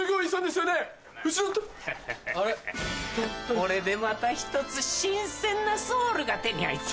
これでまた１つ新鮮なソウルが手に入った。